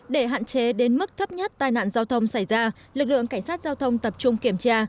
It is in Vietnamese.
để hạn chế đến mức thấp nhất tai nạn giao thông xảy ra lực lượng cảnh sát giao thông tập trung kiểm tra